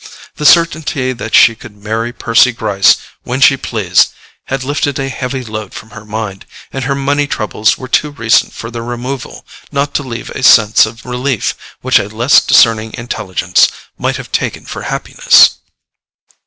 The certainty that she could marry Percy Gryce when she pleased had lifted a heavy load from her mind, and her money troubles were too recent for their removal not to leave a sense of relief which a less discerning intelligence might have taken for happiness.